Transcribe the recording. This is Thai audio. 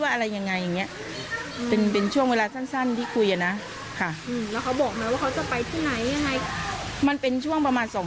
ว่าอะไรยังไงเป็นช่วงเวลาสั้นที่คุยนะมันเป็นช่วงประมาณ